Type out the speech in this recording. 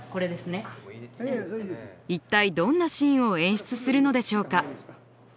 一体どんなシーンを演出するのでしょうか？